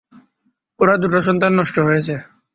ওরা দুটো সন্তান নষ্ট হয়েছে।